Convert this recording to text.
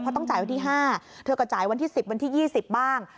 เพราะต้องจ่ายวันที่๕เธอก็จ่ายวันที่๑๐วันที่๒๐บ้าง